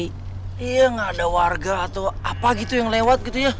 iya nggak ada warga atau apa gitu yang lewat gitu ya